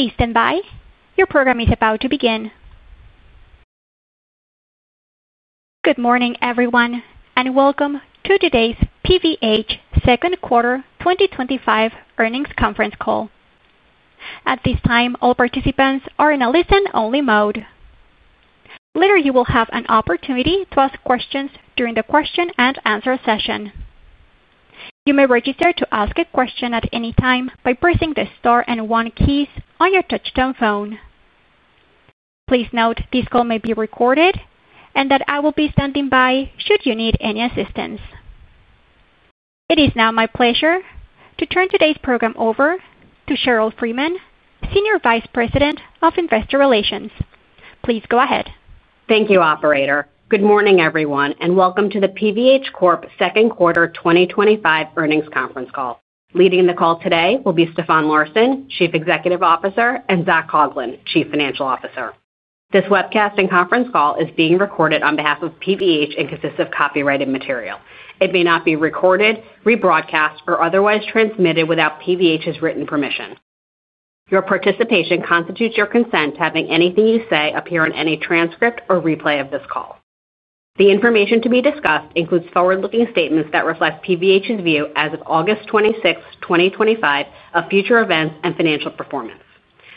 Please stand by. Your program is about to begin. Good morning everyone and welcome to today's PVH's Second Quarter 2025 Earnings Conference Call. At this time, all participants are in a listen-only mode. Later, you will have an opportunity to ask questions during the question-and-answer session. You may register to ask a question at any time by pressing the star and one keys on your touch tone phone. Please note this call may be recorded and that I will be standing by should you need any assistance. It is now my pleasure to turn today's program over to Sheryl Freeman, Senior Vice President of Investor Relations. Please go ahead. Thank you, operator. Good morning, everyone, and welcome to the PVH Corp. Second Quarter 2025 Earnings Conference Call. Leading the call today will be Stefan Larsson, Chief Executive Officer, and Zach Coughlin, Chief Financial Officer. This webcast and conference call is being recorded on behalf of PVH and consists of copyrighted material. It may not be recorded, rebroadcast, or otherwise transmitted without PVH's written permission. Your participation constitutes your consent to having anything you say appear in any transcript or replay of this call. The information to be discussed includes forward-looking statements that reflect PVH's view as of August 26th, 2025, of future events and financial performance.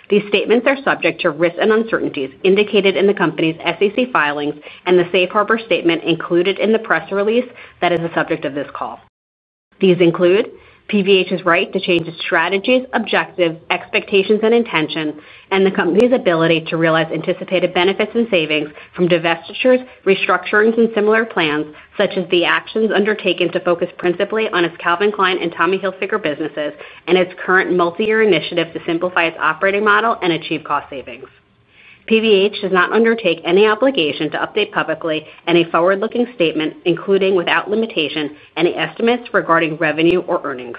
These statements are subject to risks and uncertainties indicated in the company's SEC filings and the safe harbor statement included in the press release that is the subject of this call. These include PVH's right to change its strategies, objectives, expectations, and intentions, and the company's ability to realize anticipated benefits and savings from divestitures, restructurings, and similar plans such as the actions undertaken to focus principally on its Calvin Klein and Tommy Hilfiger businesses and its current multi-year initiative to simplify its operating model and achieve cost savings. PVH does not undertake any obligation to update publicly any forward-looking statement, including without limitation any estimates regarding revenue or earnings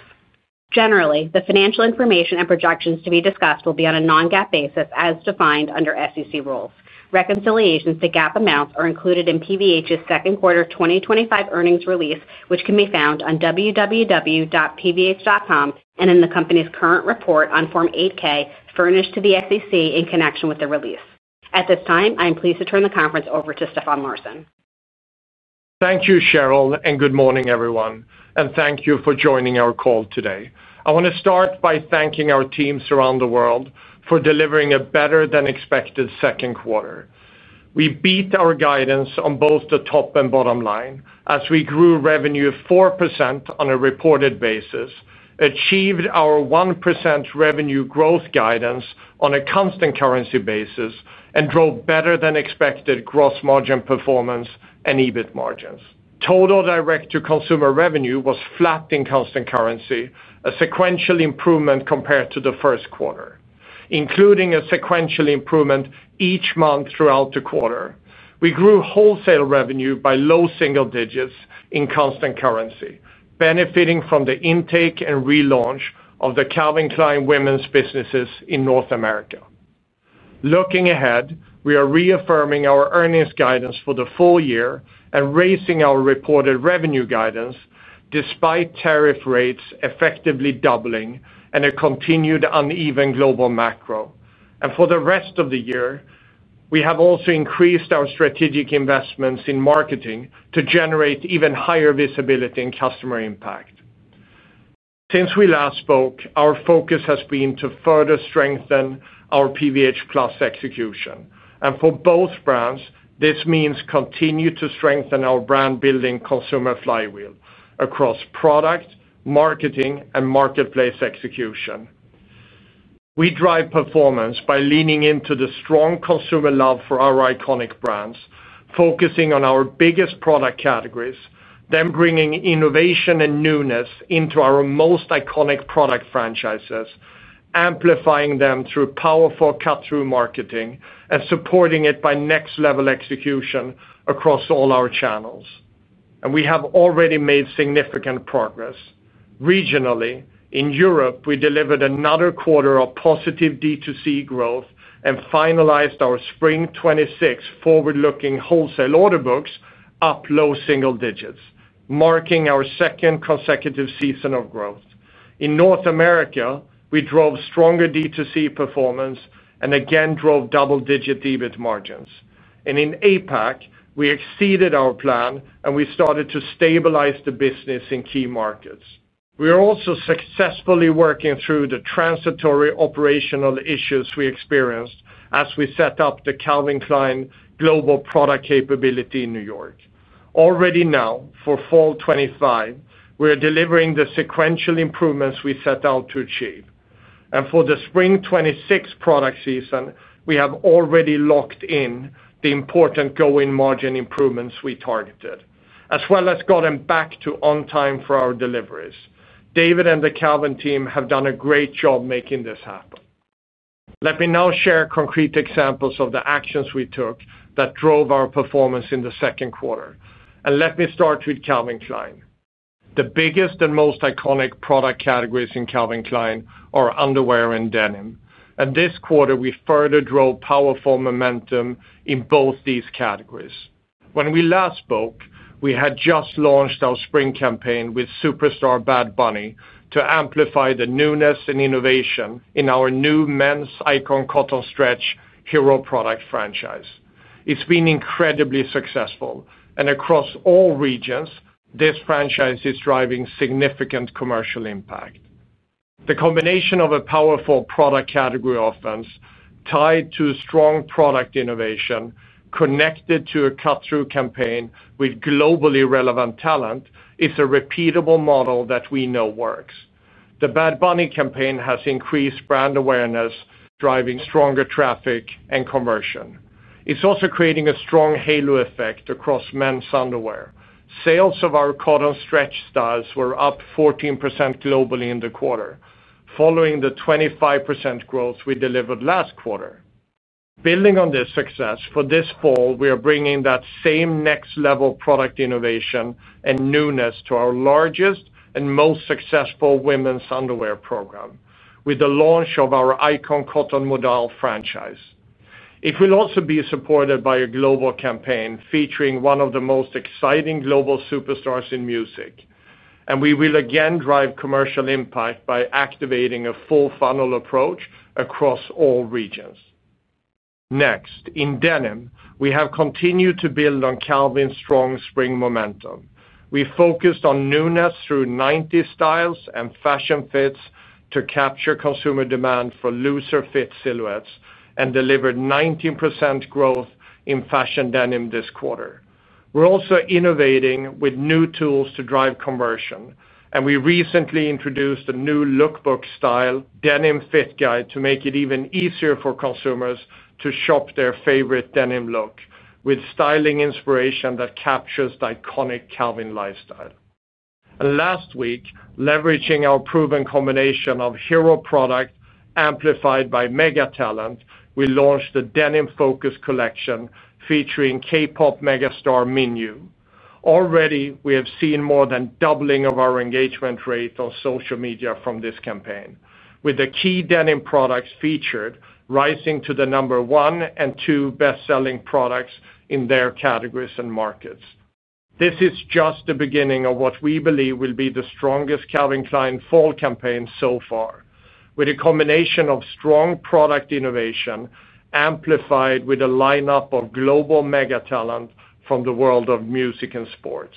generally. The financial information and projections to be discussed will be on a non-GAAP basis as defined under SEC rules. Reconciliations to GAAP amounts are included in PVH's Second Quarter 2025 Earnings Release, which can be found on www.pvh.com and in the company's current report on Form 8-K furnished to the SEC in connection with the release. At this time, I am pleased to turn the conference over to Stefan Larsson. Thank you, Sheryl, and good morning, everyone, and thank you for joining our call today. I want to start by thanking our teams around the world for delivering a better than expected second quarter. We beat our guidance on both the top and bottom line as we grew revenue 4% on a reported basis and achieved our 1% revenue growth guidance on a constant currency basis and drove better than expected gross margin performance and EBIT margins. Total direct to consumer revenue was flat in constant currency, a sequential improvement compared to the first quarter, including a sequential improvement each month. Throughout the quarter, we grew wholesale revenue by low single digits in constant currency, benefiting from the intake and relaunch of the Calvin Klein women's businesses in North America. Looking ahead, we are reaffirming our earnings guidance for the full year and raising our reported revenue guidance despite tariff rates effectively doubling and a continued uneven global macro. For the rest of the year, we have also increased our strategic investments in marketing to generate even higher visibility and customer impact. Since we last spoke, our focus has been to further strengthen our PVH+ execution, and for both brands this means continue to strengthen our brand building consumer flywheel across product, marketing, and marketplace execution. We drive performance by leaning into the strong consumer love for our iconic brands, focusing on our biggest product categories, then bringing innovation and newness into our most iconic product franchises, amplifying them through powerful cut through marketing, and supporting it by next level execution across all our channels, and we have already made significant progress regionally. In Europe, we delivered another quarter of positive D2C growth and finalized our Spring 2026 forward looking wholesale order books, and up low single digits, marking our second consecutive season of growth. In North America, we drove stronger D2C performance and again drove double digit EBIT margins, and in APAC, we exceeded our plan and we started to stabilize the business in key markets. We are also successfully working through the transitory operational issues we experienced as we set up the Calvin Klein global product capability in New York already. Now for fall 2025 we are delivering the sequential improvements we set out to achieve, and for the spring 2026 product season we have already locked in the important gross margin improvements we targeted as well as gotten back to on time for our deliveries. David and the Calvin team have done a great job making this happen. Let me now share concrete examples of the actions we took that drove our performance in the second quarter. Let me start with Calvin Klein. The biggest and most iconic product categories in Calvin Klein are underwear and denim, and this quarter we further drove powerful momentum in both these categories. When we last spoke, we had just launched our spring campaign with superstar Bad Bunny to amplify the newness and innovation in our new Men's Icon Cotton Stretch Hero product franchise. It's been incredibly successful, and across all regions this franchise is driving significant commercial impact. The combination of a powerful product category offense tied to strong product innovation connected to a cut-through campaign with globally relevant talent is a repeatable model that we know works. The Bad Bunny campaign has increased brand awareness, driving stronger traffic and conversion. It's also creating a strong halo effect across men's underwear. Sales of our cotton stretch styles were up 14% globally in the quarter, following the 25% growth we delivered last quarter. Building on this success, for this fall we are bringing that same next level product innovation and newness to our largest and most successful women's underwear program with the launch of our Icon Cotton Modal franchise. It will also be supported by a global campaign featuring one of the most exciting global superstars in music, and we will again drive commercial impact by activating a full funnel approach across all regions. Next, in denim, we have continued to build on Calvin's strong spring momentum. We focused on newness through 90s styles and fashion fits to capture consumer demand for looser fit silhouettes and delivered 19% growth in fashion denim this quarter. We're also innovating with new tools to drive conversion, and we recently introduced a new lookbook Style Denim Fit Guide to make it even easier for consumers to shop their favorite denim look with styling inspiration that captures the iconic Calvin lifestyle. Last week, leveraging our proven combination of hero product amplified by mega talent, we launched the Denim Focus Collection featuring K-pop megastar Mingyu. Already we have seen more than doubling of our engagement rate on social media from this campaign. With the key denim products featured rising to the number one and two best selling products in their categories and markets. This is just the beginning of what we believe will be the strongest Calvin Klein fall campaign so far. With a combination of strong product innovation amplified with a lineup of global mega talent from the world of music and sports,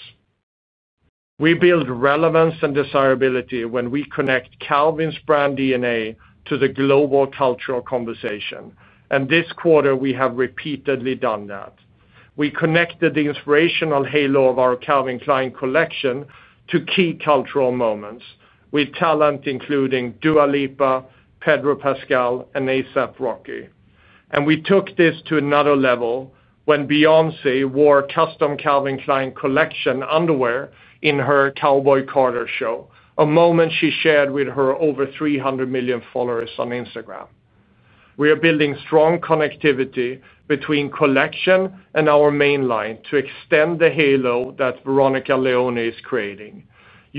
we build relevance and desirability when we connect Calvin's brand DNA to the global cultural conversation. This quarter we have repeatedly done that. We connected the inspirational halo of our Calvin Klein Collection to key cultural moments with talent including Dua Lipa, Pedro Pascal, and ASAP Rocky. We took this to another level when Beyoncé wore custom Calvin Klein Collection underwear in her Cowboy Carter show, a moment she shared with her over 300 million followers on Instagram. We are building strong connectivity between Collection and our mainline to extend the halo that Veronica Leoni is creating.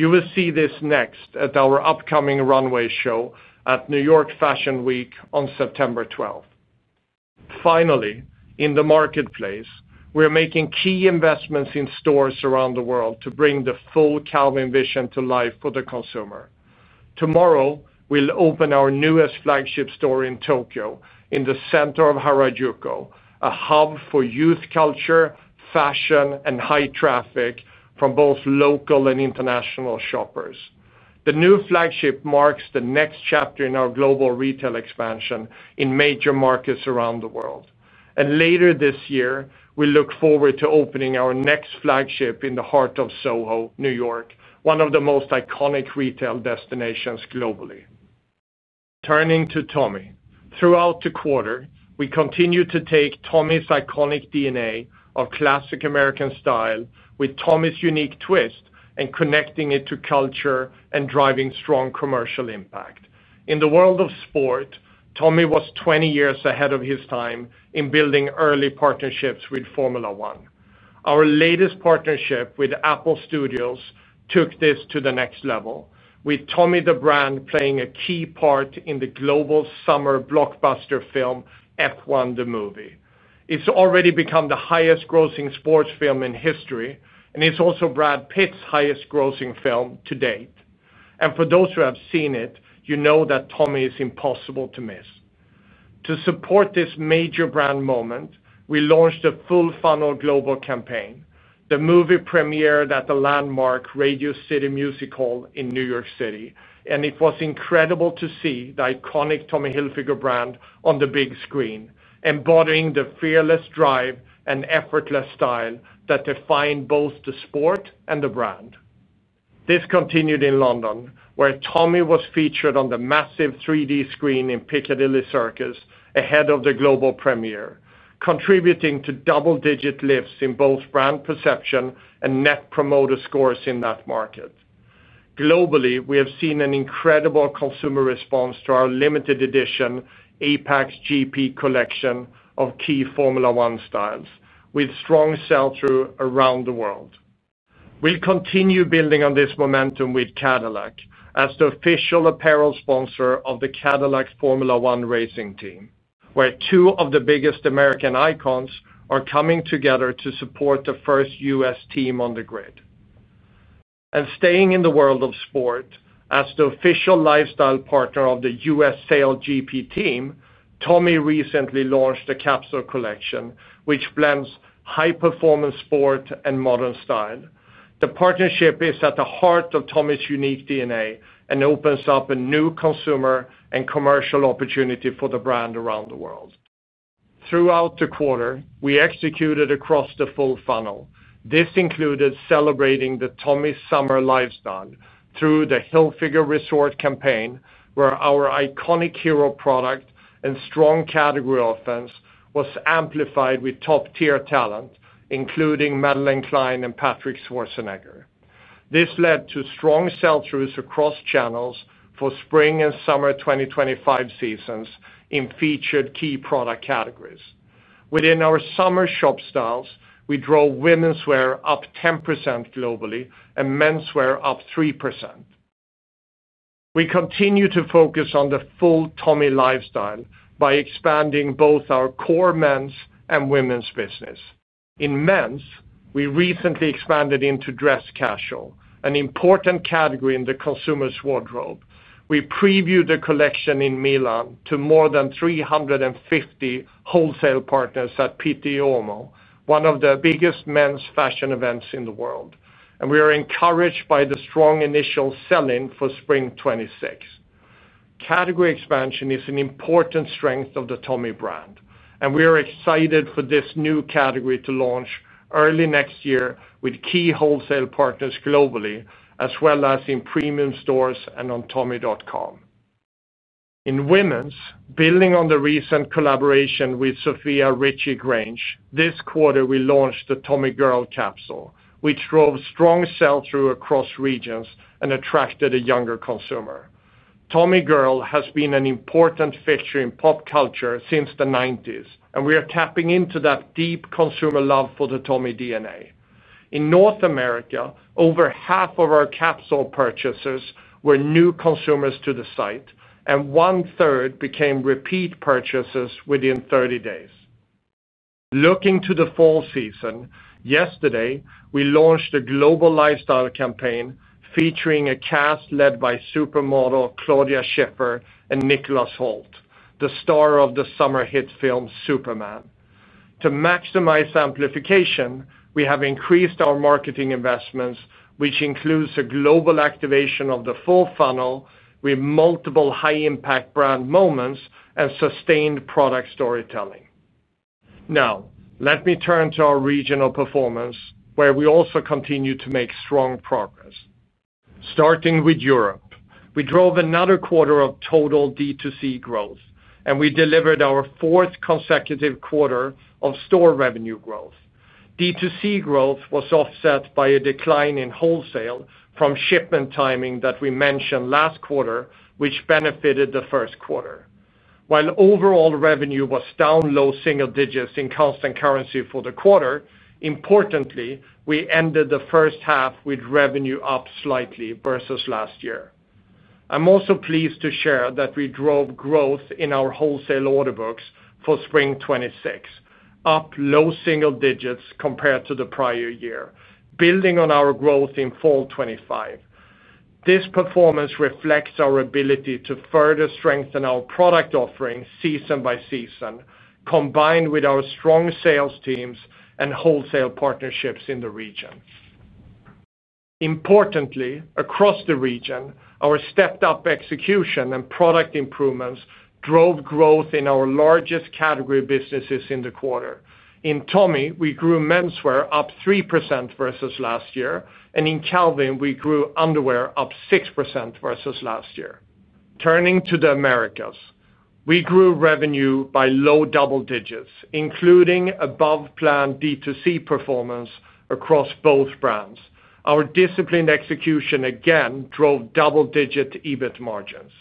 You will see this next at our upcoming runway show at New York Fashion Week on September 12th. Finally, in the marketplace, we are making key investments in stores around the world to bring the full Calvin vision to life for the consumer. Tomorrow we'll open our newest flagship store in Tokyo in the center of Harajuku, a hub for youth culture, fashion, and high traffic from both local and international shoppers. The new flagship marks the next chapter in our global retail expansion in major markets around the world and later this year we look forward to opening our next flagship in the heart of SoHo, New York, one of the most iconic retail destinations globally. Turning to Tommy, throughout the quarter we continue to take Tommy's iconic DNA of classic American style with Tommy's unique twist and connecting it to culture and driving strong commercial impact in the world of sport. Tommy was 20 years ahead of his time in building early partnerships with Formula One. Our latest partnership with Apple Studios took this to the next level with Tommy the brand playing a key part in the global summer blockbuster film, F1: The Movie. It's already become the highest grossing sports film in history and it's also Brad Pitt's highest grossing film to date. For those who have seen it, you know that Tommy is impossible to miss. To support this major brand moment, we launched a full funnel global campaign. The movie premiered at the landmark Radio City Music Hall in New York and it was incredible to see the iconic Tommy Hilfiger brand on the big screen, embodying the fearless drive and effortless style that defined both the sport and the brand. This continued in London where Tommy was featured on the massive 3D screen in Piccadilly Circus ahead of the global premiere, contributing to double-digit lifts in both brand perception and net promoter scores in that market. Globally, we have seen an incredible consumer response to our limited edition APXGP collection of key Formula One styles with strong sell-through around the world. We'll continue building on this momentum with Cadillac as the official apparel sponsor of the Cadillac Formula One team, where two of the biggest American icons are coming together to support the first U.S. team on the grid and staying in the world of sport. As the official lifestyle partner of the U.S. SailGP Team, Tommy recently launched the Capsule Collection which blends high-performance sport and modern style. The partnership is at the heart of Tommy's unique DNA and opens up a new consumer and commercial opportunity for the brand around the world. Throughout the quarter, we executed across the full funnel. This included celebrating the Tommy summer lifestyle through the Hilfiger Resort campaign, where our iconic hero product and strong category offense was amplified with top-tier talent including Madelyn Cline and Patrick Schwarzenegger. This led to strong sell-throughs across channels for spring and summer 2025 seasons in featured key product categories within our summer shop styles. We drove womenswear up 10% globally and menswear up 3%. We continue to focus on the full Tommy lifestyle by expanding both our core men's and women's business. In men's, we recently expanded into dress casual, an important category in the consumer's wardrobe. We previewed the collection in Milan to more than 350 wholesale partners at Pitti Uomo, one of the biggest men's fashion events in the world, and we are encouraged by the strong initial selling for spring 2026 category. Expansion is an important strength of the Tommy Hilfiger brand and we are excited for this new category to launch early next year with key wholesale partners globally as well as in premium stores and on tommy.com in women's, building on the recent collaboration with Sofia Richie Grainge. This quarter we launched the Tommy Girl Capsule, which drove strong sell-through across regions and attracted a younger consumer. Tommy Girl has been an important feature in pop culture since the 1990s and we are tapping into that deep consumer love for the Tommy DNA. In North America, over half of our Capsule purchasers were new consumers to the site and 1/3 became repeat purchasers within 30 days. Looking to the fall season, yesterday we launched a global lifestyle campaign featuring a cast led by supermodel Claudia Schiffer and Nicholas Hoult, the star of the summer hit film Superman. To maximize amplification, we have increased our marketing investments, which includes a global activation of the full funnel with multiple high-impact brand moments and sustained product storytelling. Now let me turn to our regional performance, where we also continue to make strong progress. Starting with Europe, we drove another quarter of total D2C growth and we delivered our fourth consecutive quarter of store revenue growth. D2C growth was offset by a decline in wholesale from shipment timing that we mentioned last quarter, which benefited the first quarter. While overall revenue was down low single digits in constant currency for the quarter, importantly, we ended the first half with revenue up slightly versus last year. I'm also pleased to share that we drove growth in our wholesale order books for spring 2026, up low single digits compared to the prior year, building on our growth in fall 2025. This performance reflects our ability to further strengthen our product offerings season by season, combined with our strong sales teams and wholesale partnerships in the region. Importantly, across the region, our stepped-up execution and product improvements drove growth in our largest category businesses in the quarter. In Tommy Hilfiger, we grew menswear up 3% versus last year and in Calvin Klein, we grew underwear up 6% versus last year. Turning to the Americas, we grew revenue by low double digits, including above-plan D2C performance across both brands. Our disciplined execution again drove double-digit EBIT margins.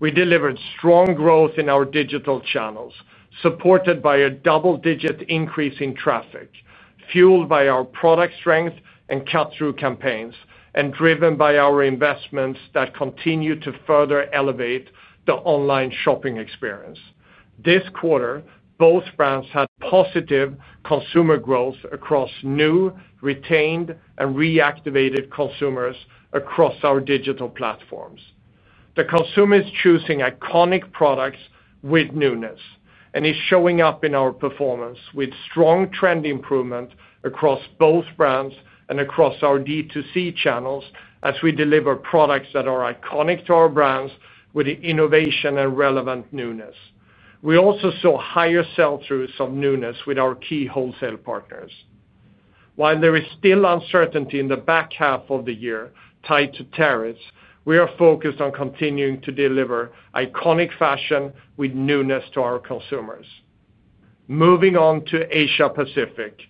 We delivered strong growth in our digital channels, supported by a double-digit increase in traffic fueled by our product strength and cut-through campaigns, and driven by our investments that continue to further elevate the online shopping experience. This quarter, both brands had positive consumer growth across new, retained, and reactivated consumers across our digital platforms. The consumer is choosing iconic products with newness, and it is showing up in our performance with strong trend improvement across both brands and across our D2C channels as we deliver products that are iconic to our brands with the innovation and relevant newness. We also saw higher sell-throughs of newness with our key wholesale partners. While there is still uncertainty in the back half of the year tied to tariffs, we are focused on continuing to deliver iconic fashion with newness to our consumers. Moving on to Asia Pacific,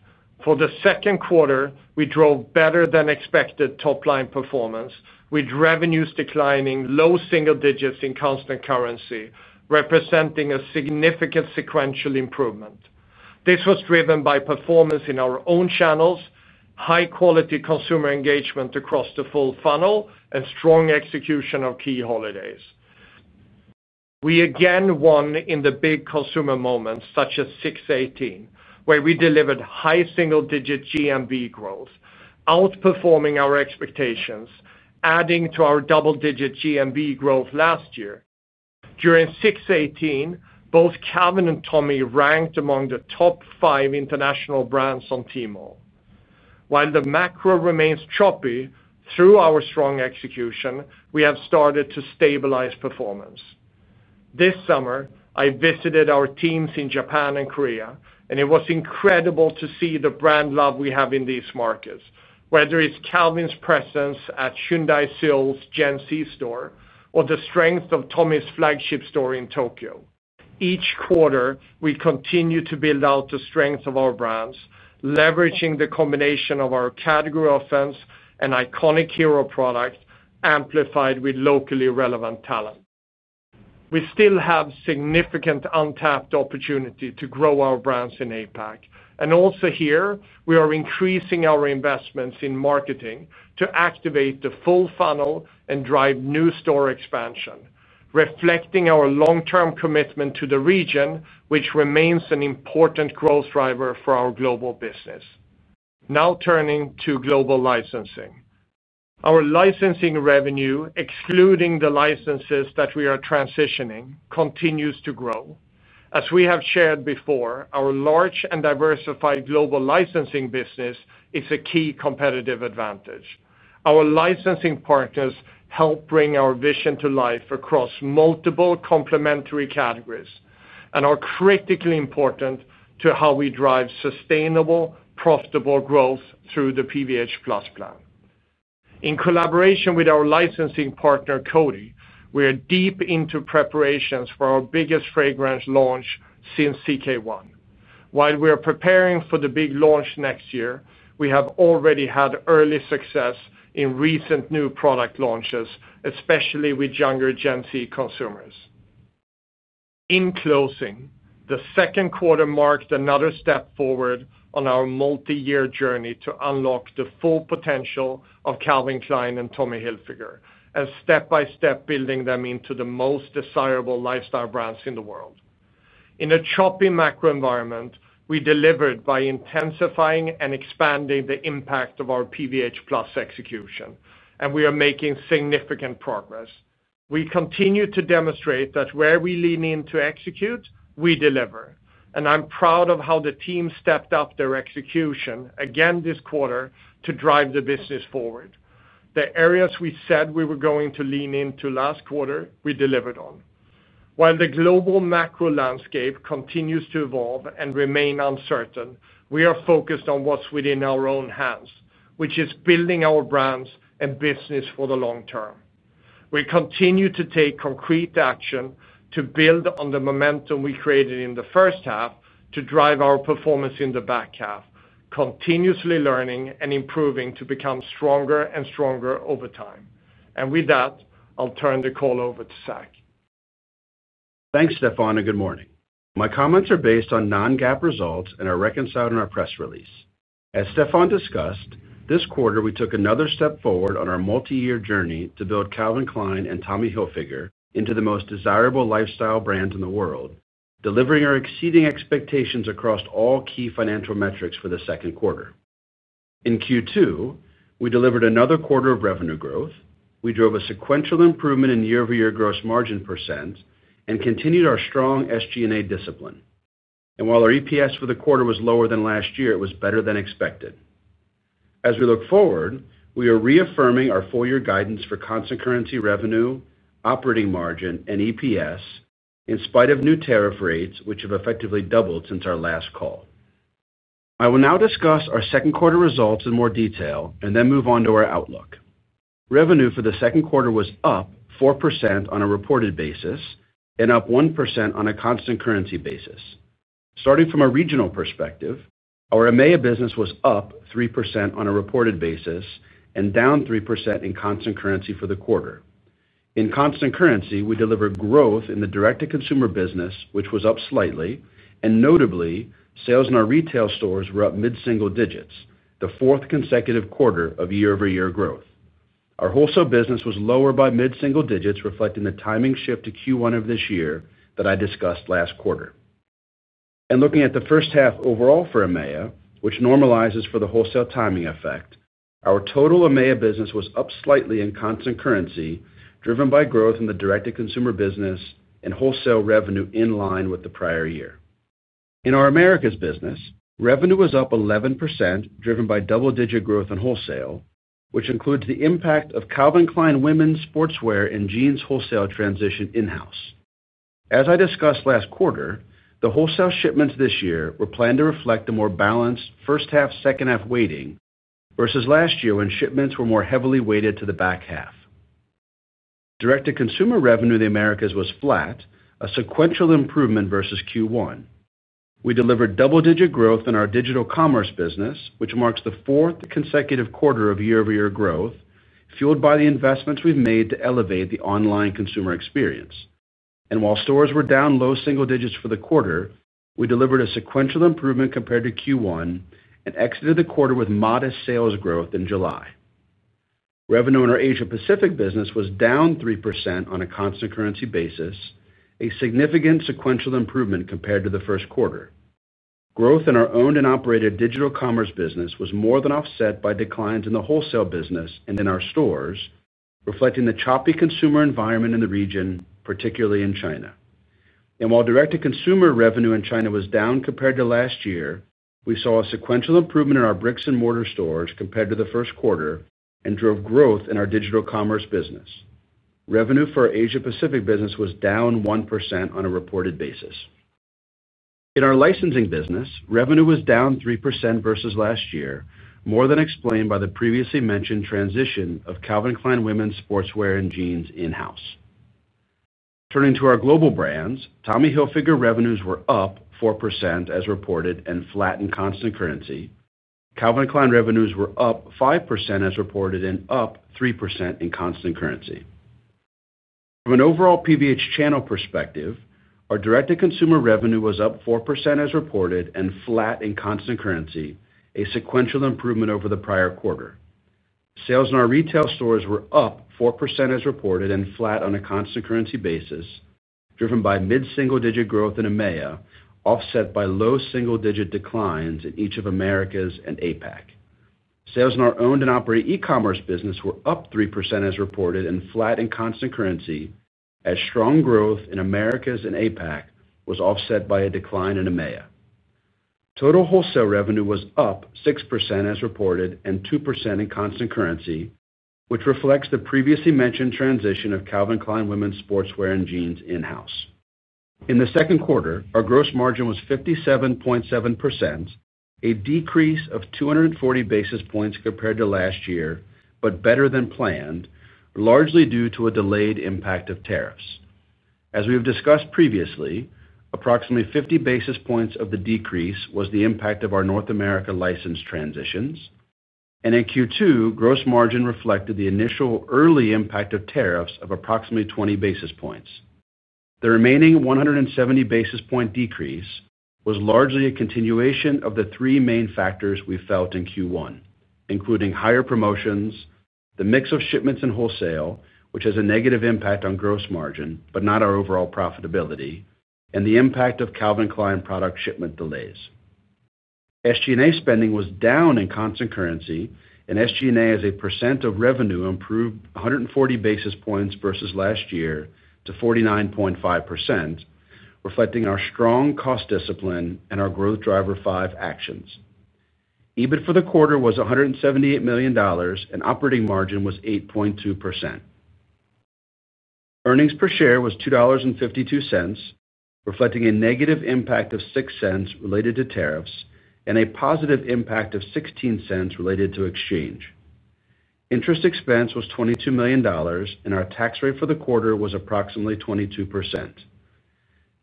for the second quarter we drove better-than-expected top-line performance with revenues declining low single digits in constant currency, representing a significant sequential improvement. This was driven by performance in our own channels, high-quality consumer engagement across the full funnel, and strong execution of key holidays. We again won in the big consumer moments such as 618, where we delivered high single-digit GMV growth, outperforming our expectations, adding to our double-digit GMV growth last year. During 618, both Calvin Klein and Tommy Hilfiger ranked among the top five international brands on Tmall. While the macro remains choppy, through our strong execution we have started to stabilize performance. This summer, I visited our teams in Japan and Korea, and it was incredible to see the brand love we have in these markets. Whether it's Calvin Klein's presence at Hyundai Seoul's Gen Z store or the strength of Tommy Hilfiger's flagship store in Tokyo, each quarter we continue to build out the strength of our brands, leveraging the combination of our category of fans and iconic hero product, amplified with locally relevant talent. We still have significant untapped opportunity to grow our brands in APAC, and also here we are increasing our investments in marketing to activate the full funnel and drive new store expansion, reflecting our long-term commitment to the region, which remains an important growth driver for our global business. Now turning to global licensing, our licensing revenue, excluding the licenses that we are transitioning, continues to grow. As we have shared before, our large and diversified global licensing business is a key competitive advantage. Our licensing partners help bring our vision to life across multiple complementary categories and are critically important to how we drive sustainable, profitable growth through the PVH plan. In collaboration with our licensing partner Coty, we are deep into preparations for our biggest fragrance launch since CK1. While we are preparing for the big launch next year, we have already had early success in recent new product launches, especially with younger Gen C consumers. In closing, the second quarter marked another step forward on our multi-year journey to unlock the full potential of Calvin Klein and Tommy Hilfiger and step by step building them into the most desirable lifestyle brands in the world. In a choppy macro environment, we delivered by intensifying and expanding the impact of our PVH execution and we are making significant progress. We continue to demonstrate that where we lean in to execute, we deliver and I'm proud of how the team stepped up their execution again this quarter to drive the business forward. The areas we said we were going to lean into last quarter we delivered on. While the global macro landscape continues to evolve and remain uncertain, we are focused on what's within our own hands which is building our brands and business for the long term. We continue to take concrete action to build on the momentum we created in the first half to drive our performance in the back half, continuously learning and improving to become stronger and stronger over time. With that I'll turn the call over to Zach. Thanks Stefan and good morning. My comments are based on non-GAAP results and are reconciled in our press release. As Stefan discussed, this quarter we took another step forward on our multi-year journey to build Calvin Klein and Tommy Hilfiger into the most desirable lifestyle brand in the world, delivering or exceeding expectations across all key financial metrics. For the second quarter, in Q2 we delivered another quarter of revenue growth. We drove a sequential improvement in year-over-year gross margin percent and continued our strong SG&A discipline, and while our EPS for the quarter was lower than last year, it was better than expected. As we look forward, we are reaffirming our full-year guidance for constant currency revenue, operating margin, and EPS in spite of new tariff rates which have effectively doubled since our last call. I will now discuss our second quarter results in more detail and then move on to our outlook. Revenue for the second quarter was up 4% on a reported basis and up 1% on a constant currency basis. Starting from a regional perspective, our EMEA business was up 3% on a reported basis and down 3% in constant currency for the quarter. In constant currency, we delivered growth in the direct-to-consumer business, which was up slightly and notably. Sales in our retail stores were up mid-single digits, the fourth consecutive quarter of year-over-year growth. Our wholesale business was lower by mid-single digits, reflecting the timing shift to Q1 of this year that I discussed last quarter. Looking at the first half overall for EMEA, which normalizes for the wholesale timing effect, our total EMEA business was up slightly in constant currency, driven by growth in the direct-to-consumer business and wholesale revenue in line with the prior year. In our Americas business, revenue was up 11%, driven by double-digit growth in wholesale, which includes the impact of Calvin Klein women's sportswear and jeans. Wholesale transition in house as I discussed last quarter, the wholesale shipments this year were planned to reflect the more balanced first half, second half weighting versus last year when shipments were more heavily weighted to the back half. Direct-to-consumer revenue in the Americas was flat, a sequential improvement versus Q1. We delivered double-digit growth in our digital commerce business, which marks the fourth consecutive quarter of year-over-year growth fueled by the investments we've made to elevate the online consumer experience. While stores were down low single digits for the quarter, we delivered a sequential improvement compared to Q1 and exited the quarter with modest sales growth in July. Revenue in our Asia Pacific business was down 3% on a constant currency basis, a significant sequential improvement compared to the first quarter. Growth in our owned and operated digital commerce business was more than offset by declines in the wholesale business and in our stores, reflecting the choppy consumer environment in the region, particularly in China. While direct-to-consumer revenue in China was down compared to last year, we saw a sequential improvement in our bricks-and-mortar stores compared to the first quarter and drove growth in our digital commerce business. Revenue for Asia Pacific business was down 1% on a reported basis. In our licensing business, revenue was down 3% versus last year, more than explained by the previously mentioned transition of Calvin Klein women's sportswear and jeans in-house. Turning to our global brands, Tommy Hilfiger revenues were up 4% as reported and flat in constant currency. Calvin Klein revenues were up 5% as reported and up 3% in constant currency. From an overall PVH channel perspective, our direct-to-consumer revenue was up 4% as reported and flat in constant currency, a sequential improvement over the prior quarter. Sales in our retail stores were up 4% as reported and flat on a constant currency basis, driven by mid-single-digit growth in EMEA offset by low-single-digit declines in each of Americas and APAC. Sales in our owned and operated e-commerce business were up 3% as reported and flat in constant currency as strong growth in Americas and APAC was offset by a decline in EMEA. Total wholesale revenue was up 6% as reported and 2% in constant currency, which reflects the previously mentioned transition of Calvin Klein women's sportswear and jeans in-house. In the second quarter, our gross margin was 57.7%, a decrease of 240 basis points compared to last year but better than planned, largely due to a delayed impact of tariffs. As we have discussed previously, approximately 50 basis points of the decrease was the impact of our North America license transitions, and in Q2 gross margin reflected the initial early impact of tariffs of approximately 20 basis points. The remaining 170 basis point decrease was largely a continuation of the 3 main factors we felt in Q1, including higher promotions, the mix of shipments and wholesale, which has a negative impact on gross margin but not our overall profitability, and the impact of Calvin Klein product shipment delays. SG&A spending was down in constant currency, and SG&A as a percent of revenue improved 140 basis points versus last year to 49.5%, reflecting our strong cost discipline and our Growth Driver 5 actions. EBIT for the quarter was $178 million, and operating margin was 8.2%. Earnings per share was $2.52, reflecting a negative impact of $0.06 related to tariffs and a positive impact of $0.16 related to exchange interest. Expense was $22 million, and our tax rate for the quarter was approximately 22%.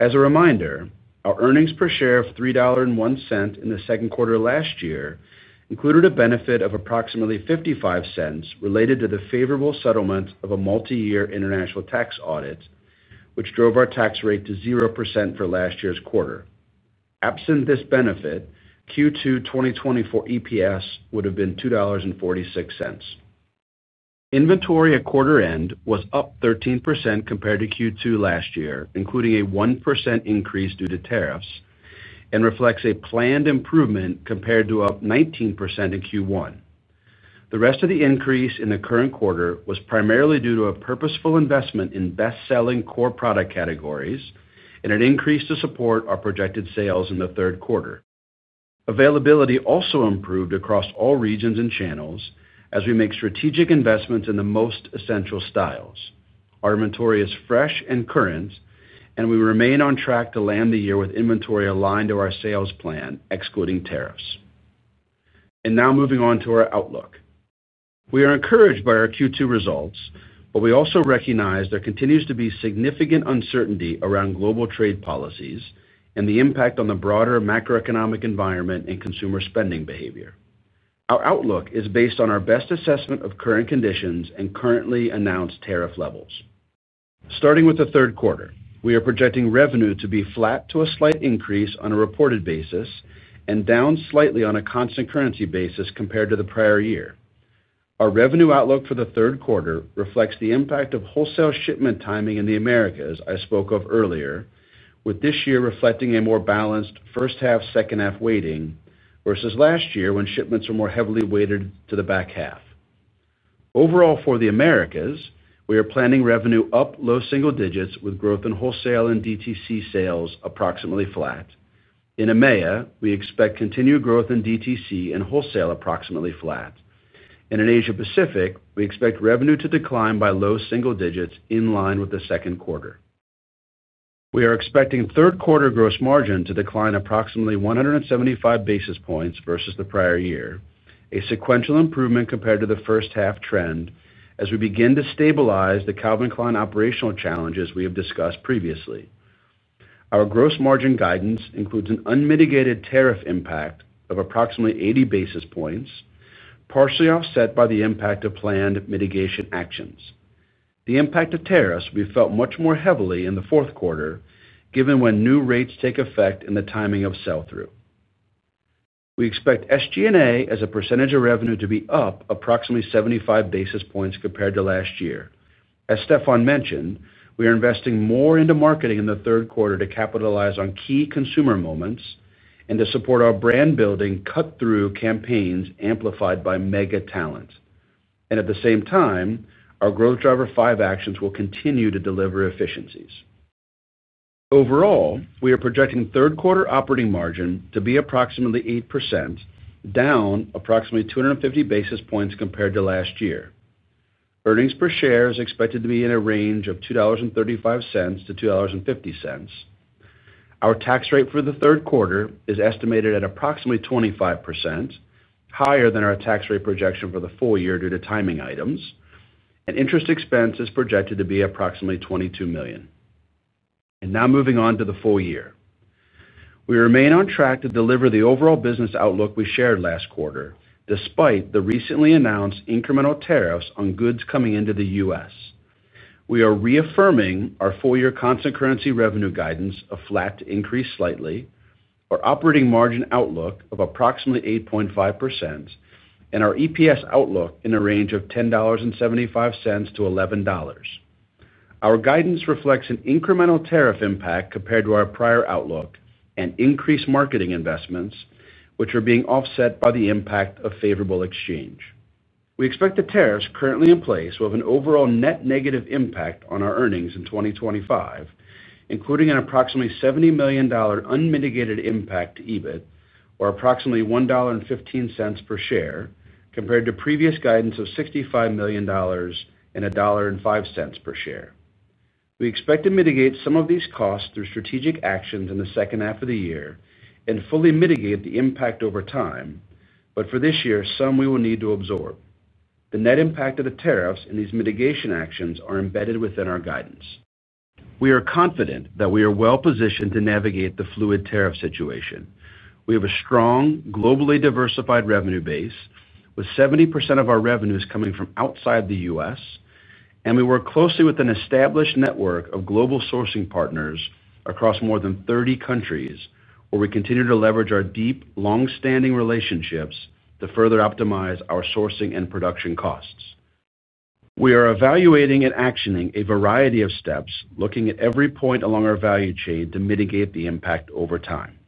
As a reminder, our earnings per share of $3.01 in the second quarter last year included a benefit of approximately $0.55 related to the favorable settlement of a multi-year international tax audit, which drove our tax rate to 0% for last year's quarter. Absent this benefit, Q2 2024 EPS would have been $2.46. Inventory at quarter end was up 13% compared to Q2 last year, including a 1% increase due to tariffs, and reflects a planned improvement compared to up 19% in Q1. The rest of the increase in the current quarter was primarily due to a purposeful investment in best-selling core product categories and an increase to support our projected sales in the third quarter. Availability also improved across all regions and channels as we make strategic investments in the most essential styles, armamentorious, fresh and current, and we remain on track to land the year with inventory aligned to our sales plan excluding tariffs. Now moving on to our outlook. We are encouraged by our Q2 results, but we also recognize there continues to be significant uncertainty around global trade policies and the impact on the broader macroeconomic environment and consumer spending behavior. Our outlook is based on our best assessment of current conditions and currently announced tariff levels. Starting with the third quarter, we are projecting revenue to be flat to a slight increase on a reported basis and down slightly on a constant currency basis compared to the prior year. Our revenue outlook for the third quarter reflects the impact of wholesale shipment timing in the Americas. I spoke of earlier with this year reflecting a more balanced first half second half weighting versus last year when shipments are more heavily weighted to the back half. Overall for the Americas we are planning revenue up low single digits with growth in wholesale and DTC sales approximately flat. In EMEA we expect continued growth in DTC and wholesale approximately flat and in Asia Pacific we expect revenue to decline by low single digits in line with the second quarter. We are expecting third quarter gross margin to decline approximately 175 basis points versus the prior year, a sequential improvement compared to the first half trend as we begin to stabilize the Calvin Klein operational challenges we have discussed previously. Our gross margin guidance includes an unmitigated tariff impact of approximately 80 basis points, partially offset by the impact of planned mitigation actions. The impact of tariffs will be felt much more heavily in the fourth quarter. Given when new rates take effect and the timing of sell through, we expect SG&A as a percentage of revenue to be up approximately 75 basis points compared to last year. As Stefan mentioned, we are investing more into marketing in the third quarter to capitalize on key consumer moments and to support our brand building cut through campaigns amplified by mega talent and at the same time our Growth Driver 5 actions will continue to deliver efficiencies. Overall, we are projecting third quarter operating margin to be approximately 8%, down approximately 250 basis points compared to last year. Earnings per share is expected to be in a range of $2.35-$2.50. Our tax rate for the third quarter is estimated at approximately 25%, higher than our tax rate projection for the full year due to timing items, and interest expense is projected to be approximately $22 million. Now moving on to the full year, we remain on track to deliver the overall business outlook we shared last quarter. Despite the recently announced incremental tariffs on goods coming into the U.S., we are reaffirming our full year constant currency revenue guidance of flat to increase slightly, our operating margin outlook of approximately 8.5%, and our EPS outlook in a range of $10.75-$11. Our guidance reflects an incremental tariff impact compared to our prior outlook and increased marketing investments, which are being offset by the impact of favorable exchange. We expect the tariffs currently in place will have an overall net negative impact on our earnings in 2025, including an approximately $70 million unmitigated impact to EBIT or approximately $1.15 per share, compared to previous guidance of $65 million and $1.05 per share. We expect to mitigate some of these costs through strategic actions in the second half of the year and fully mitigate the impact over time. For this year, we will need to absorb the net impact of the tariffs, and these mitigation actions are embedded within our guidance. We are confident that we are well positioned to navigate the fluid tariff situation. We have a strong, globally diversified revenue base with 70% of our revenues coming from outside the U.S., and we work closely with an established network of global sourcing partners across more than 30 countries, where we continue to leverage our deep, long-standing relationships to further optimize our sourcing and production costs. We are evaluating and actioning a variety of steps, looking at every point along our value chain to mitigate the impact over time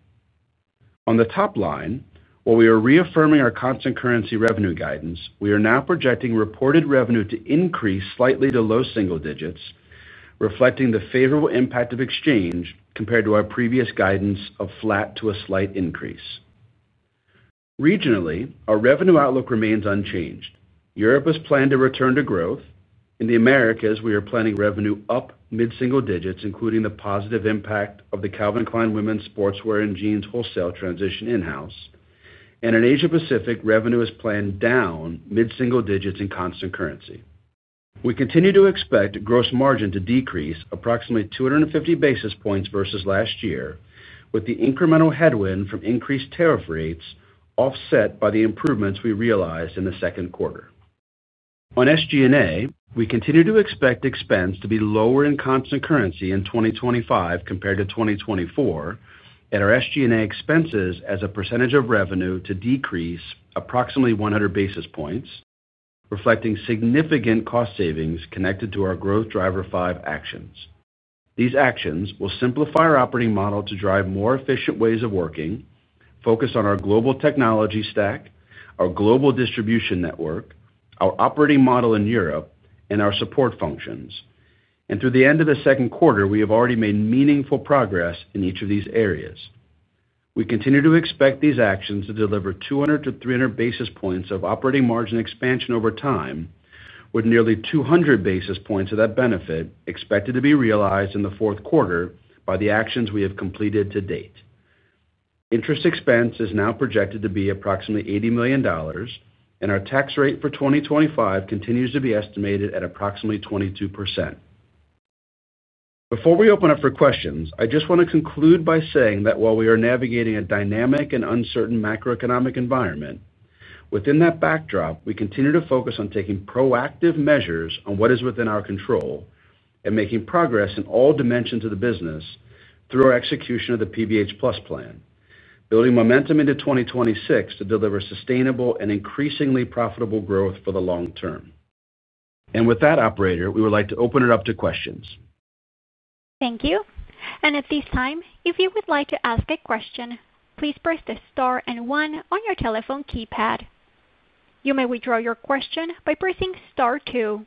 on the top line. While we are reaffirming our constant currency revenue guidance, we are now projecting reported revenue to increase slightly to low single digits, reflecting the favorable impact of exchange compared to our previous guidance of flat to a slight increase. Regionally, our revenue outlook remains unchanged. Europe has planned to return to growth. In the Americas, we are planning revenue up mid single digits, including the positive impact of the Calvin Klein women's sportswear and jeans wholesale transition in house, and in Asia Pacific, revenue is planned down mid single digits. In constant currency, we continue to expect gross margin to decrease approximately 250 basis points versus last year, with the incremental headwind from increased tariff rates offset by the improvements we realized in the second quarter. On SG&A, we continue to expect expense to be lower in constant currency in 2025 compared to 2024, and our SG&A expenses as a percentage of revenue to decrease approximately 100 basis points, reflecting significant cost savings connected to our Growth Driver 5 actions. These actions will simplify our operating model to drive more efficient ways of working, focus on our global technology stack, our global distribution network, our operating model in Europe, and our support functions. Through the end of the second quarter, we have already made meaningful progress in each of these areas. We continue to expect these actions to deliver 200-300 basis points of operating margin expansion over time, with nearly 200 basis points of that benefit expected to be realized in the fourth quarter by the actions we have completed to date. Interest expense is now projected to be approximately $80 million, and our tax rate for 2025 continues to be estimated at approximately 22%. Before we open up for questions, I just want to conclude by saying that while we are navigating a dynamic and uncertain macroeconomic environment, within that backdrop, we continue to focus on taking proactive measures on what is within our control and making progress in all dimensions of the business through our execution of the PVH+ Plan, building momentum into 2026 to deliver sustainable and increasingly profitable growth for the long term. With that, operator, we would like to open it up to questions. Thank you. At this time, if you would like to ask a question, please press the star and one on your telephone keypad. You may withdraw your question by pressing star two.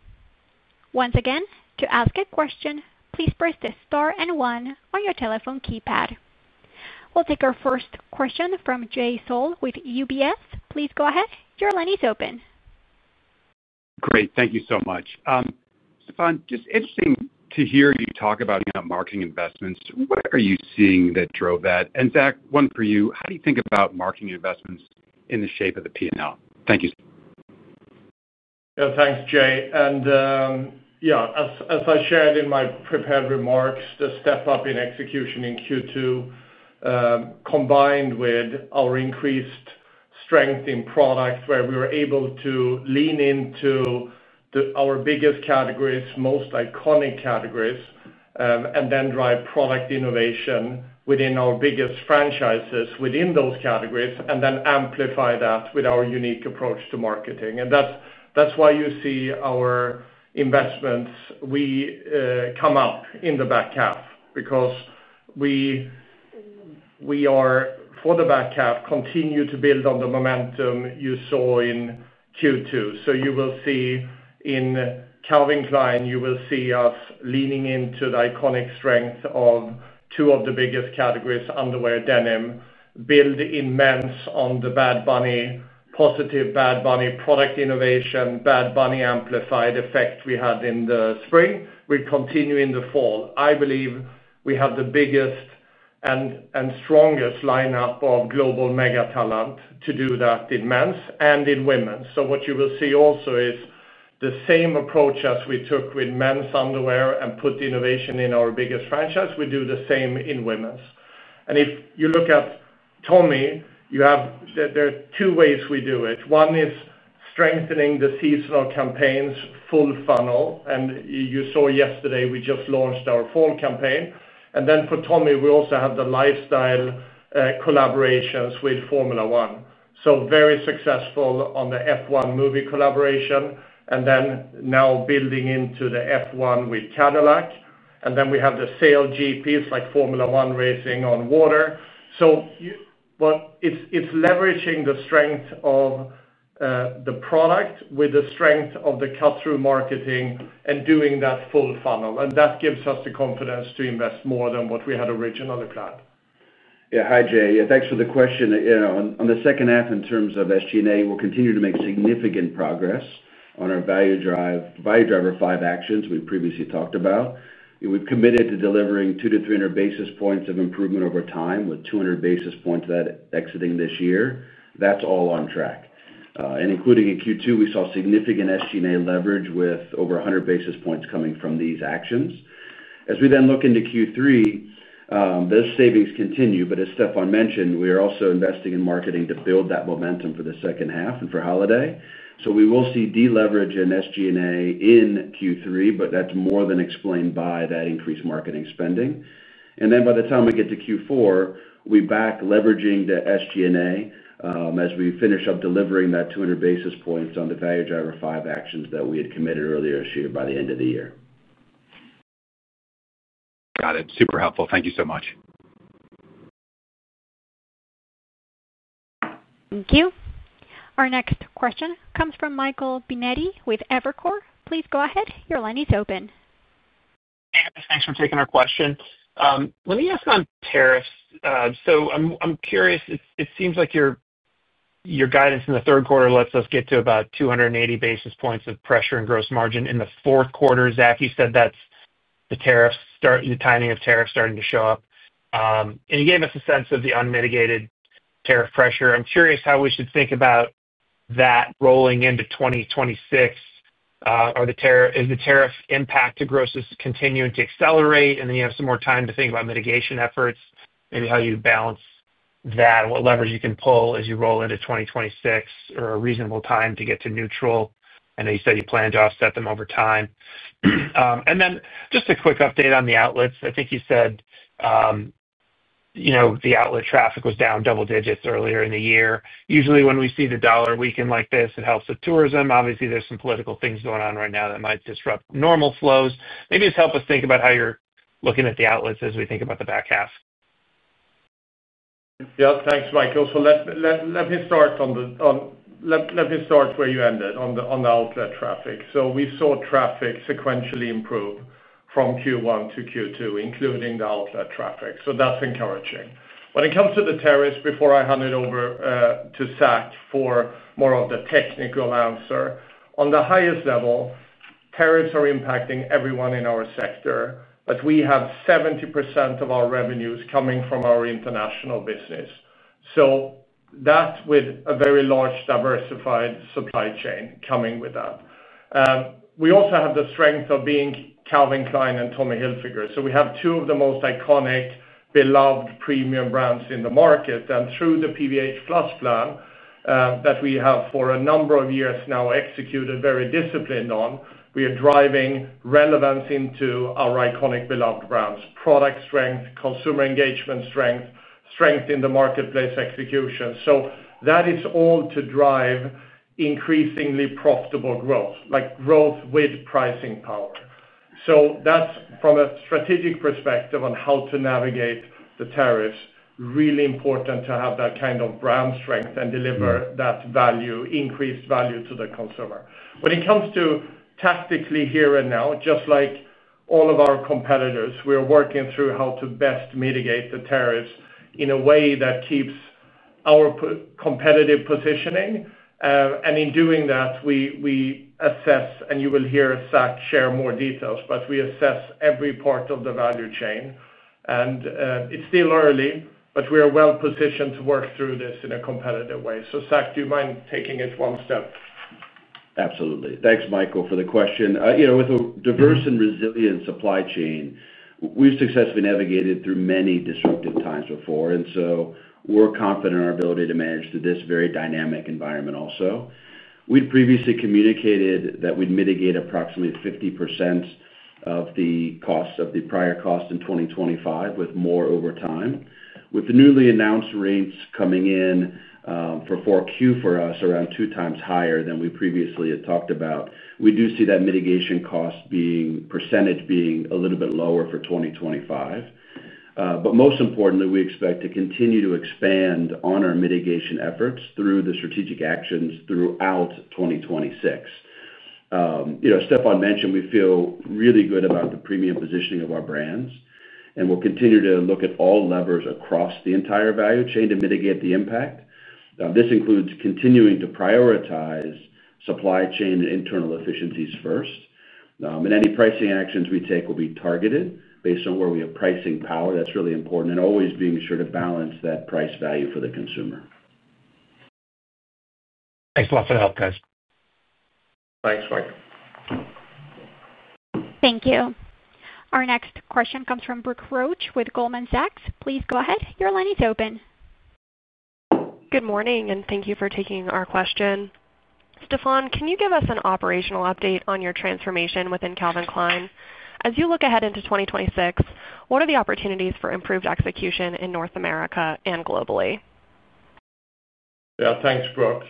Once again, to ask a question, please press the star and one on your telephone keypad. We'll take our first question from Jay Sole with UBS. Please go ahead. Your line is open. Great. Thank you so much, Stefan. It's interesting to hear you talk about marketing investments. What are you seeing that drove that? And Zach, one for you, how do you think about marketing investments in the shape of the P&L? Thank you. Thanks, Jay. As I shared in my prepared remarks, the step up in execution in Q2 combined with our increased strength in product, where we were able to lean into our biggest categories, most iconic categories, and then drive product innovation within our biggest franchises within those categories and then amplify that with our unique approach to marketing. That's why you see our investments come up in the back half, because we are for the back half. Continue to build on the momentum you saw in Q2. You will see in Calvin Klein, you will see us leaning into the iconic strength of two of the biggest categories. Underwear, denim build immense on the Bad Bunny positive Bad Bunny product innovation, Bad Bunny amplified effect we had in the spring. We continue in the fall. I believe we have the biggest and strongest lineup of global mega talent to do that in men's and in women. What you will see also is the same approach as we took with men's underwear and put innovation in our biggest franchise. We do the same in women's. If you look at Tommy, there are two ways we do it. One is strengthening the seasonal campaigns. Full funnel. You saw yesterday, we just launched our fall campaign. For Tommy, we also have the lifestyle collaborations with Formula One. Very successful on the F1 movie collaboration and now building into the F1 with Cadillac. We have the SailGP. It's like Formula One racing on water. It's leveraging the strength of the product with the strength of the cut through marketing and doing that full funnel. That gives us the confidence to invest more than what we had originally planned. Yeah, hi Jay, thanks for the question. On the second half in terms of SG&A, we'll continue to make significant progress on our Growth Driver 5 actions we previously talked about. We've committed to delivering 200-300 basis points of improvement over time, with 200 basis points at exiting this year. That's all on track. Including in Q2, we saw significant SG&A leverage with over 100 basis points coming from these actions. As we then look into Q3, those savings continue. As Stefan mentioned, we are also investing in marketing to build that momentum for the second half and for holiday. We will see deleverage in SG&A in Q3, but that's more than explained by that increased marketing spending. By the time we get to Q4, we are back leveraging the SG&A as we finish up delivering that 200 basis points on the Growth Driver 5 actions that we had committed earlier this year. Year by the end of the year. Got it. Super helpful. Thank you so much. Thank you. Our next question comes from Michael Binetti with Evercore ISI. Please go ahead. Your line is open. Thanks for taking our question. Let me ask on tariffs. I'm curious. It seems like your guidance in the third quarter lets us get to about 280 basis points of pressure in gross margin in the fourth quarter. Zach, you said that's the tariffs start, the timing of tariffs starting to show up and you gave us a sense of the unmitigated tariff pressure. I'm curious how we should think about that rolling into 2026. Is the tariff impact to grosses continuing to accelerate and then you have some more time to think about mitigation efforts. Maybe how you balance that, what levers you can pull as you roll into 2026 or a reasonable time to get to neutral. I know you said you plan to offset them over time. Just a quick update on the outlets. I think you said the outlet traffic was down double digits earlier in the year. Usually when we see the dollar weaken like this, it helps with tourism. Obviously there's some political things going on right now that might disrupt normal flows. Maybe just help us think about how you're looking at the outlets as we think about the back half. Yeah. Thanks, Michael. Let me start where you ended on the outlet traffic. We saw traffic sequentially improve from Q1-Q2, including the outlet traffic. That's encouraging. When it comes to the tariffs, before I hand it over to Zach for more of the technical answer, on the highest level, tariffs are impacting everyone in our sector. We have 70% of our revenues coming from our international business. With a very large diversified supply chain coming with that, we also have the strength of being Calvin Klein and Tommy Hilfiger. We have two of the most iconic, beloved premium brands in the market. Through the PVH plan that we have for a number of years now executed very disciplined on, we are driving relevance into our iconic, beloved brands—product strength, consumer engagement strength, strength in the marketplace, execution. That is all to drive increasingly profitable growth, like growth with pricing power. From a strategic perspective on how to navigate the tariffs, it's really important to have that kind of brand strength and deliver that value, increased value to the consumer. When it comes to tactically here and now, just like all of our competitors, we are working through how to best mitigate the tariffs in a way that keeps our competitive positioning. In doing that, we assess—and you will hear Zach share more details—but we assess every part of the value chain, and it's still early, but we are well positioned to work through this in a competitive way. Zach, do you mind taking it one step? Absolutely. Thanks, Michael, for the question. You know, with a diverse and resilient supply chain, we've successfully navigated through many disruptive times before, so we're confident in our ability to manage through this very dynamic environment. And also, We'd previously communicated that we'd mitigate approximately 50% of the costs of the prior cost in 2025, with more over time. With the newly announced rates coming in for 4Q for us around two times higher than we previously had talked about, we do see that mitigation cost percentage being a little bit lower for 2025. Most importantly, we expect to continue to expand on our mitigation efforts through the strategic actions throughout 2025. You know, as Stefan mentioned, we feel really good about the premium positioning of our brands, and we'll continue to look at all levers across the entire value chain to mitigate the impact. This includes continuing to prioritize supply chain internal efficiencies first, and any pricing actions we take will be targeted based on where we have pricing power. That's really important, and always being sure to balance that price value for the consumer. Thanks a lot for the help, guys. Thanks, Mike. Thank you. Our next question comes from Brooke Roach with Goldman Sachs. Please go ahead. Your line is open. Good morning and thank you for taking our question. Stefan, can you give us an operational update on your transformation within Calvin Klein as you look ahead into 2026, what are the opportunities for improved execution in North America and globally? Yeah, thanks, Brooke.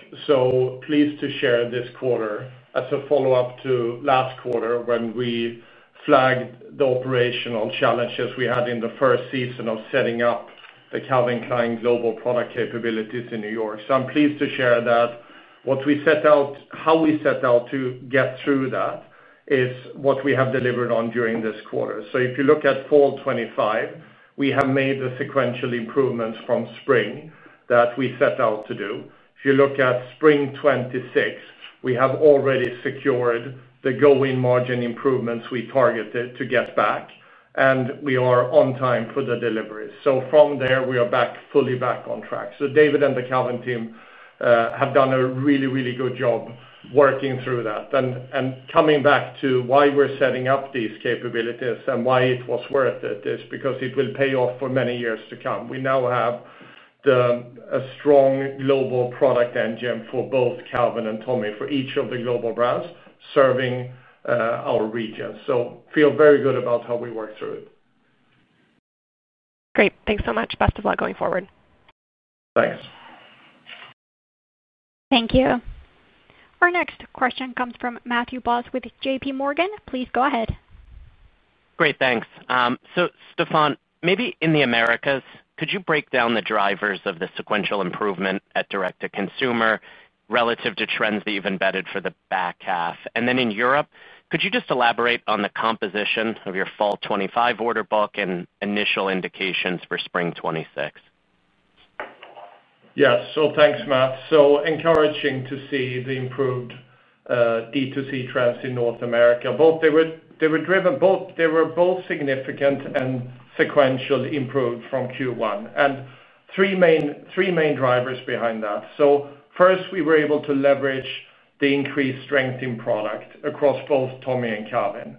Pleased to share this quarter. As a follow-up to last quarter when we flagged the operational challenges we had in the first season of setting up the Calvin Klein global product capabilities in New York, I'm pleased to share that what we set out, how we set out to get through that, is what we have delivered on during this quarter. If you look at fall 2025, we have made the sequential improvements from spring that we set out to do. If you look at spring 2026, we have already secured the go in margin improvements we targeted to get back and we are on time for the deliveries. From there we are fully back on track. David and the Calvin team have done a really, really good job working through that. Coming back to why we're setting up these capabilities and why it was worth it is because it will pay off for many years to come. We have a strong global product engine for both Calvin and Tommy for each of the global brands serving our region. Feel very good about how we work through it. Great, thanks so much. Best of luck going forward. Thanks. Thank you. Our next question comes from Matthew Boss with JPMorgan. Please go ahead. Great, thanks. So, Stefan, maybe in the Americas, could you break down the drivers of the sequential improvement at Direct to Consumer relative to trends that you've embedded for the back half. In Europe, could you just elaborate on the composition of your fall 2025 order book and initial indications for spring 2026? Yes. Thanks, Matt. Encouraging to see the improved D2C trends in North America. They were both significant and sequentially improved from Q1, and three main drivers behind that. First, we were able to leverage the increased strength in product across both Tommy and Calvin.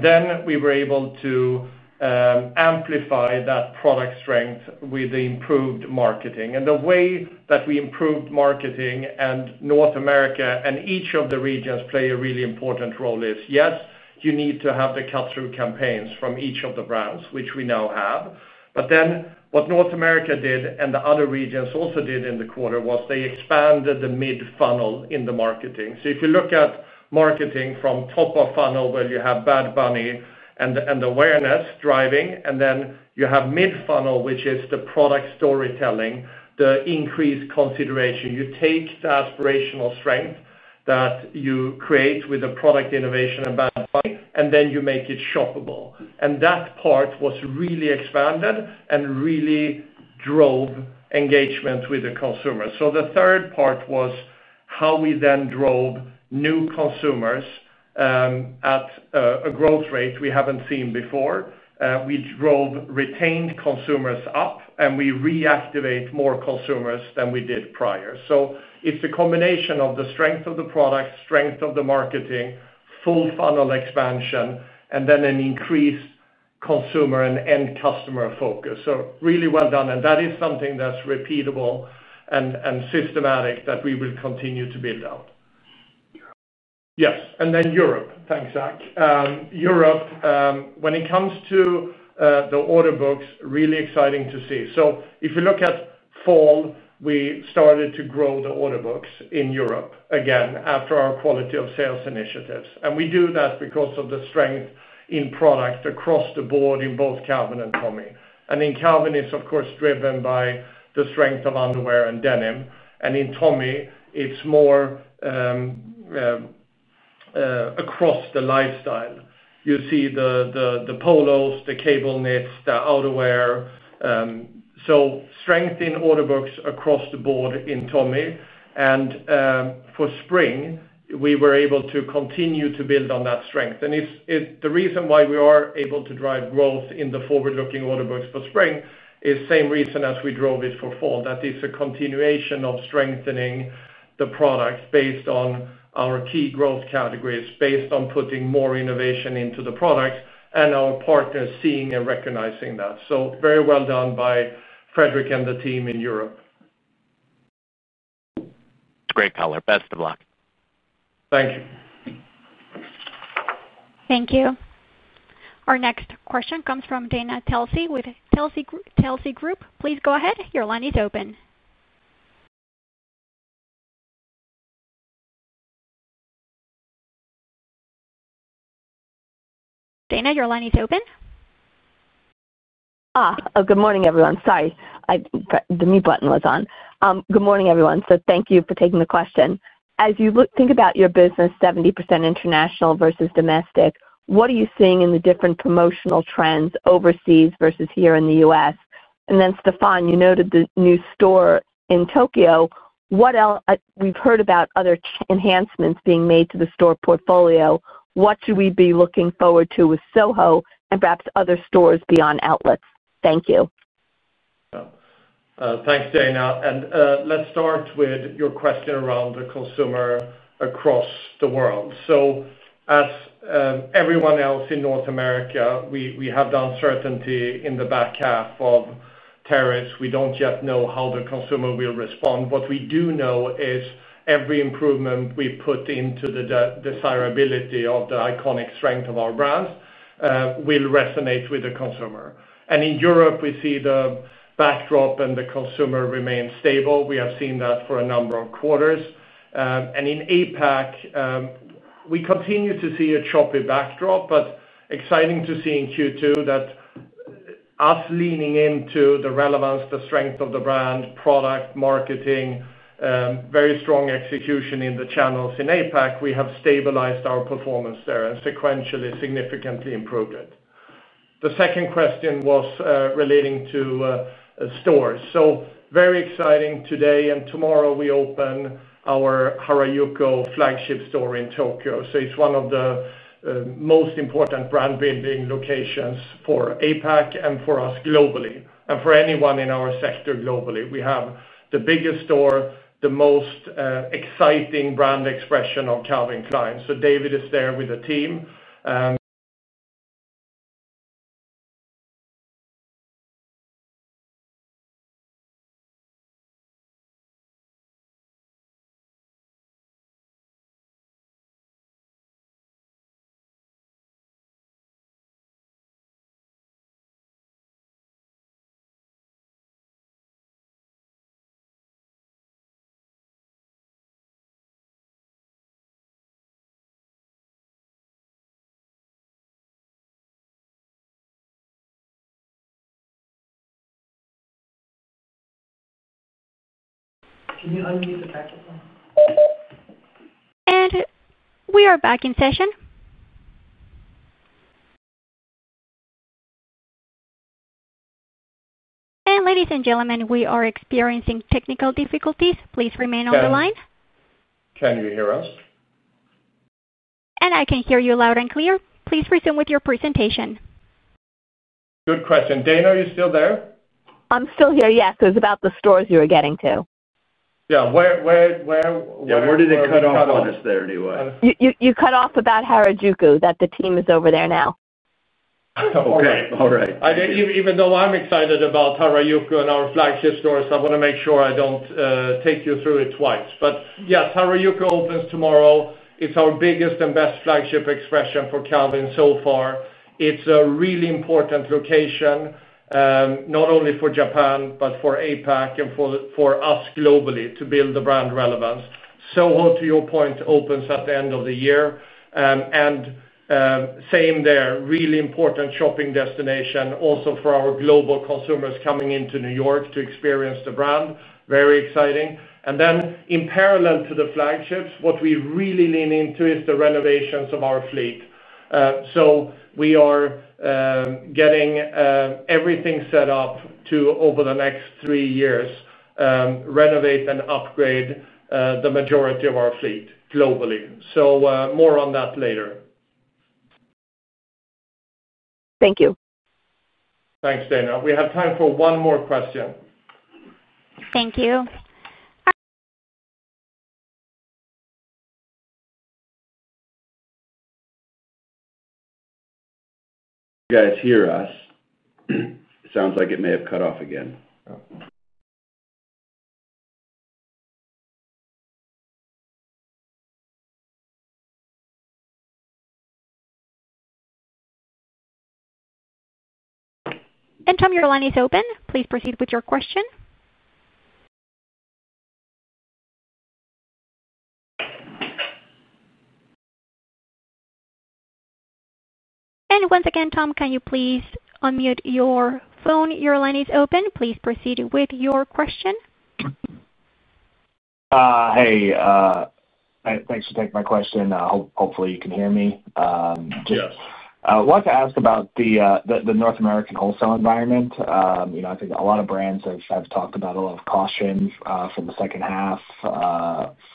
Then we were able to amplify that product strength with the improved marketing. The way that we improved marketing in North America and each of the regions play a really important role is, yes, you need to have the cut through campaigns from each of the brands, which we now have. What North America did and the other regions also did in the quarter was they expanded the mid funnel in the marketing. If you look at marketing from top of funnel, where you have Bad Bunny and awareness driving, and then you have mid funnel, which is the product storytelling, the increased consideration, you take the aspirational strength that you create with a product innovation, and then you make it shoppable. That part was really expanded and really drove engagement with the consumer. The third part was how we then drove new consumers at a growth rate we haven't seen before. We drove retained consumers up and we reactivated more consumers than we did prior. It's a combination of the strength of the product, strength of the marketing, full funnel expansion, and then an increased consumer and end customer focus. Really well done. That is something that's repeatable and systematic that we will continue to build out. Yes. Europe. Thanks, Zach. Europe, when it comes to the order books, really exciting to see. If you look at fall, we started to grow the order books in Europe again after our quality of sales initiatives. We do that because of the strength in product across the board in both Calvin and Tommy. In Calvin, it's of course driven by the strength of underwear and denim. In Tommy, it's more across the lifestyle. You see the polos, the cable knits, the outerwear. Strength in order books across the board in Tommy, and for spring, we were able to continue to build on that strength. The reason why we are able to drive growth in the forward looking order books for spring is the same reason as we drove it for fall, that it's a continuation of strengthening the product based on our key growth categories, based on putting more innovation into the product and our partners seeing and recognizing that. Very well done by Fredrik and the team in Europe. Great color. Best of luck. Thank you. Thank you. Our next question comes from Dana Telsey with Telsey Group. Please go ahead. Your line is open. Dana, your line is open. Good morning everyone. Thank you for taking the question. As you think about your business, 70% international versus domestic, what are you seeing in the different promotional trends overseas versus here in the U.S., and then Stefan, you noted the new store in Tokyo. We've heard about other enhancements being made to the store portfolio. What should we be looking forward to with SoHo and perhaps other stores beyond outlets? Thank you. Thanks, Dana. Let's start with your question around the consumer across the world. As everyone else in North America, we have the uncertainty in the back half of tariffs. We don't yet know how the consumer will respond. What we do know is every improvement we put into the desirability of the iconic strength of our brands will resonate with the consumer. In Europe, we see the backdrop and the consumer remains stable. We have seen that for a number of quarters. In APAC, we continue to see a choppy backdrop, but exciting to see in Q2 that us leaning into the relevance, the strength of the brand, product marketing, very strong execution in the channels in APAC. We have stabilized our performance there and sequentially significantly improved it. The second question was relating to stores. Very exciting, today and tomorrow we open our Harajuku flagship store in Tokyo. It's one of the most important brand building locations for APAC and for us globally, and for anyone in our sector globally we have the biggest store, the most exciting brand expression of Calvin Klein. David is there with the team. It. We are back in session. Ladies and gentlemen, we are experiencing technical difficulties. Please remain on the line. Can you hear us? I can hear you loud and clear. Please resume with your presentation. Good question. Dana, are you still there? I'm still here, yes. It was about the stores you were getting to. Yeah. Where did it cut off? You cut off about Harajuku? The team is over there now. All right. Even though I'm excited about Harajuku and our flagship stores, I want to make sure I don't take you through it twice. First, yes, Harajuku opens tomorrow. It's our biggest and best flagship expression for Calvin Klein so far. It's a really important location not only for Japan, but for APAC and for us globally to build the brand relevance. SoHo, to your point, opens at the end of the year and same there. Really important shopping destination also for our global consumers coming into New York to experience the brand. Very exciting. In parallel to the flagships, what we really lean into is the renovations of our fleet. We are getting everything set up to over the next three years renovate and upgrade the majority of our fleet globally. More on that later. Thank you. Thanks, Dana. We have time for one more question. Thank you. Guys, hear us. It sounds like it may have cut off again. Tom, your line is open. Please proceed with your question. Once again, Tom, can you please unmute your phone? Your line is open. Please proceed with your question. Hey, thanks for taking my question. Hopefully you can hear me. I want to ask about the North American wholesale environment. I think a lot of brands have talked about a lot of caution from the second half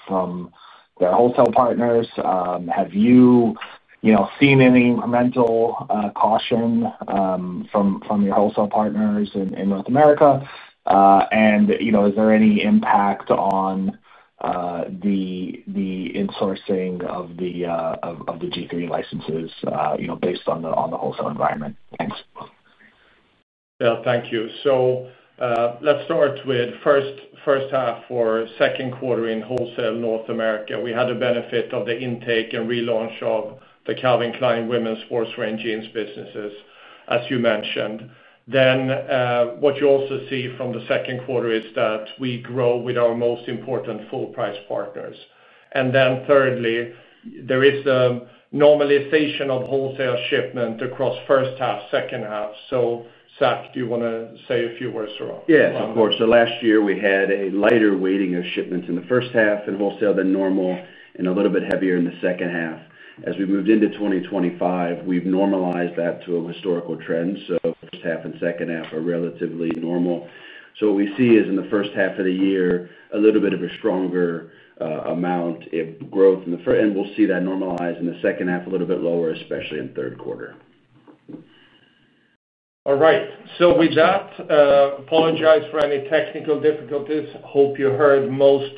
from their wholesale partners. Have you seen any material caution from your wholesale partners in North America? Is there any impact on the insourcing of the G3 licenses based on the wholesale environment? Thank you. Let's start with first half for second quarter in Wholesale North America. We had a benefit of the intake and relaunch of the Calvin Klein women's sportswear and jeans businesses, as you mentioned. What you also see from the second quarter is that we grow with our most important full price partners. There is the normalization of wholesale shipment across first half, second half. Zach, do you want to say a few words to Ross? Yes, of course. Last year we had a lighter weighting. Shipments in the first half in wholesale were heavier than normal and a little bit heavier in the second half. As we moved into 2025, we've normalized that to a historical trend. The first half and second half are relatively normal. What we see is in the first half of the year, a little bit of a stronger amount of growth and we'll see that normalize in the second half, a little bit lower, especially in the third quarter. All right, with that, apologize for any technical difficulties. Hope you heard most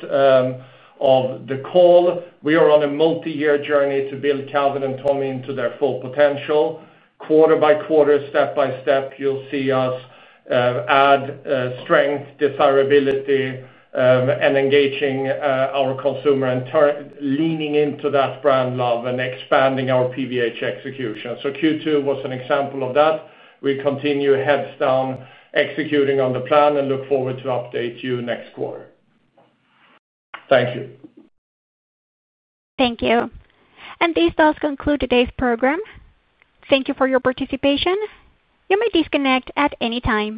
of the call. We are on a multi-year journey to build Calvin Klein and Tommy Hilfiger into their full potential. Quarter by quarter, step by step, you'll see us add strength, desirability, and engaging our consumer, leaning into that brand love and expanding our PVH execution. Q2 was an example of that. We continue heads down executing on the plan and look forward to update you next quarter. Thank you. Thank you. This does conclude today's program. Thank you for your participation. You may disconnect at any time.